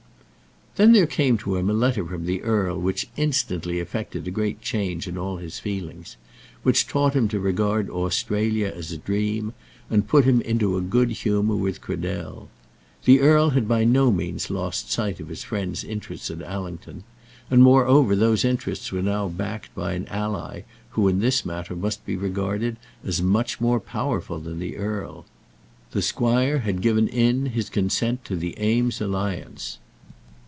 Then there came to him a letter from the earl which instantly effected a great change in all his feelings; which taught him to regard Australia as a dream, and almost put him into a good humour with Cradell. The earl had by no means lost sight of his friend's interests at Allington; and, moreover, those interests were now backed by an ally who in this matter must be regarded as much more powerful than the earl. The squire had given in his consent to the Eames alliance.